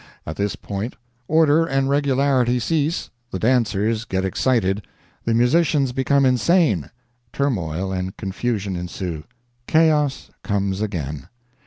At this point order and regularity cease the dancers get excited—the musicians become insane—turmoil and confusion ensue—chaos comes again!